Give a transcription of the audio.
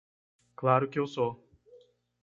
Claro que eu sou!